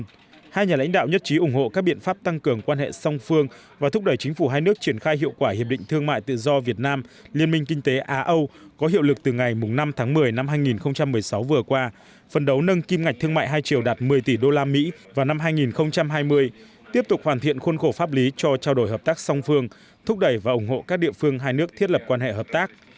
chủ tịch quốc hội nguyễn thị kim ngân đã ủng hộ các biện pháp tăng cường quan hệ song phương và thúc đẩy chính phủ hai nước triển khai hiệu quả hiệp định thương mại tự do việt nam liên minh kinh tế á âu có hiệu lực từ ngày năm tháng một mươi năm hai nghìn một mươi sáu vừa qua phần đấu nâng kim ngạch thương mại hai triều đạt một mươi tỷ đô la mỹ vào năm hai nghìn hai mươi tiếp tục hoàn thiện khuôn khổ pháp lý cho trao đổi hợp tác song phương thúc đẩy và ủng hộ các địa phương hai nước thiết lập quan hệ hợp tác